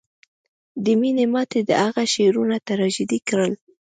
د مینې ماتې د هغه شعرونه تراژیدي کړل